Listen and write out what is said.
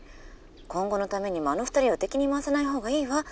今後のためにもあの２人を敵に回さない方がいいわ。